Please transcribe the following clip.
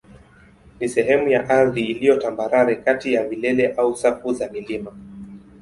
ni sehemu ya ardhi iliyo tambarare kati ya vilele au safu za milima.